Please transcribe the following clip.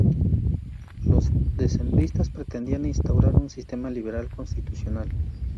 Los decembristas pretendían instaurar un sistema liberal constitucional.